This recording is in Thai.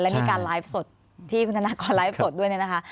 และมีการไลฟ์สดที่คุณธนากรไลฟ์สดด้วยเนี่ยนะคะ